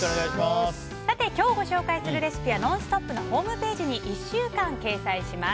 今日ご紹介するレシピは「ノンストップ！」のホームページに１週間掲載します。